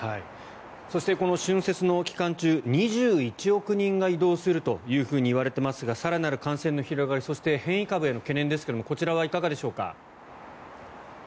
そして、この春節の期間中２１億人が移動するといわれていますが更なる感染の広がりそして変異株への懸念ですがこちらはいかがでしょうか。